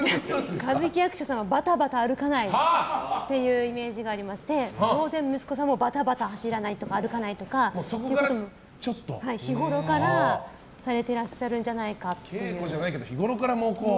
歌舞伎役者さんはバタバタ歩かないイメージがありまして当然、息子さんもバタバタ走らないとか歩かないとか日ごろからされていらっしゃるんじゃないかと。